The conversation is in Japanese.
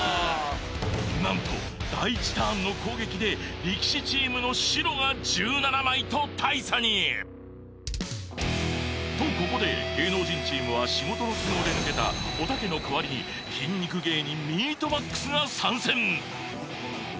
何と第１ターンの攻撃で力士チームの白が１７枚と大差にとここで芸能人チームは仕事の都合で抜けたおたけの代わりに筋肉芸人肉限界が参戦